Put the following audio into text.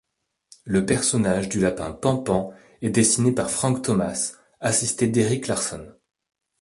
Le personnage du lapin Panpan est dessiné par Frank Thomas assisté d'Eric Larson.